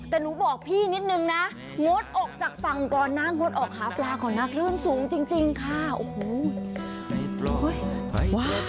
แต่หนูบอกพี่นิดนึงนะงดออกจากฝั่งก่อนนะงดออกหาปลาก่อนนะคลื่นสูงจริงค่ะโอ้โห